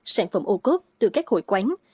sản phẩm ô cốt từ các hội quán